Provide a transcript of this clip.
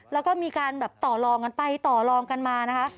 แล้วก็มีการแบบต่อลองกันไปต่อลองกันมานะคะ